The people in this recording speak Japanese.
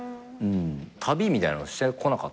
旅みたいなのしてこなかったんで。